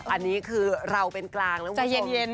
อันนี้คือเราเป็นกลางแล้ว